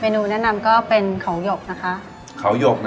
เมนูแนะนำก็เป็นเขาหยกนะคะ